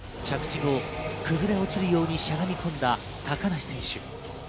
着地後、崩れ落ちるようにしゃがみ込んだ高梨選手。